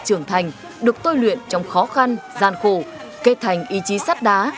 lực lượng cảnh sát cơ động được tôi luyện trong khó khăn gian khổ kết thành ý chí sắt đá